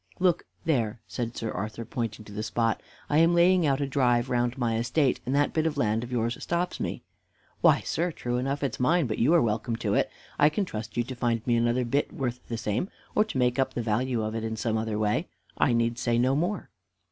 Look there," said Sir Arthur, pointing to the spot, "I am laying out a drive round my estate, and that bit of land of yours stops me." "Why, sir, true enough it's mine, but you are welcome to it. I can trust you to find me another bit worth the same, or to make up the value of it in some other way. I need say no more."